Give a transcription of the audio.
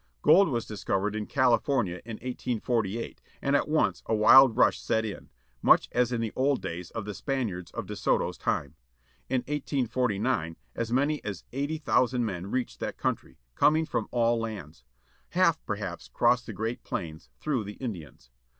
Gold was discovered in California in 1848, and at once a wild rush set in, much as in the old days of the Spaniards of De Soto's time. In 1 849 as many as eighty thousand men reached that coimtry , coming from all lands. Half, perhaps, crossed the great plains, through the Indians.